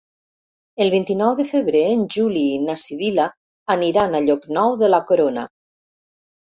El vint-i-nou de febrer en Juli i na Sibil·la aniran a Llocnou de la Corona.